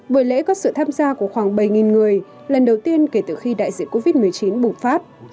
buổi lễ có sự tham gia của khoảng bảy người lần đầu tiên kể từ khi đại dịch covid một mươi chín bùng phát